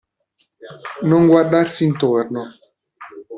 Non guardarsi intorno.